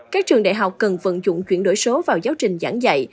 các trường đại học cần vận dụng chuyển đổi số vào giáo trình giảng dạy